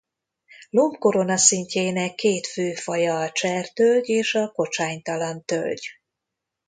Lombkoronaszintjének két fő faja a csertölgy és a kocsánytalan tölgy.